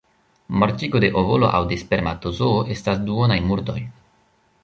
Mortigo de ovolo aŭ de spermatozoo estas duonaj murdoj.